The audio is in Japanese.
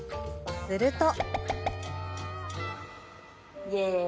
すると。